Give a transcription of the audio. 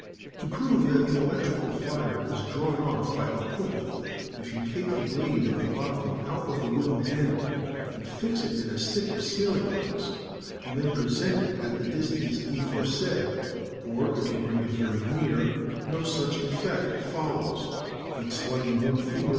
"To prove that the electrical fire is drawn off by the point, if you take the blade of the bodkin out of the wooden handle and fix it in a stick of sealing wax, and then present it at the distance aforesaid, or if you bring it very near, no such effect follows; but sliding one finger •Franklin's Experiment on the Action of Points.